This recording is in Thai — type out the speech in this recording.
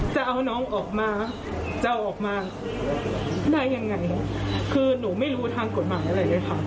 จะเอาน้องออกมาจะเอาออกมาได้ยังไงคือหนูไม่รู้ทางกฎหมายอะไรเลยค่ะ